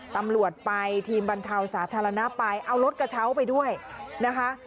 ตำรวจไปทีมบรรเทาสาธารณะไปเอารถกระเช้าไปด้วยนะคะ